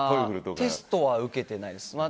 テストは受けてないです。